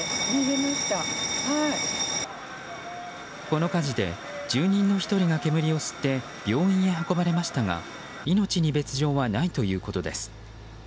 この火事で住人の１人が煙を吸って病院へ運ばれましたが命に別条はないということです。